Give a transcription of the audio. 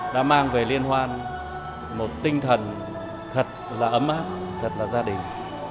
đã mang về liên hoan một tinh thần thật là ấm áp thật là gia đình